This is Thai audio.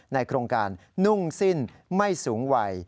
โครงการนุ่งสิ้นไม่สูงวัย